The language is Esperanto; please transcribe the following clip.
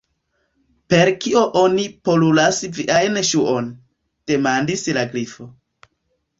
"Per kio oni poluras viajn ŝuojn?" demandis la Grifo.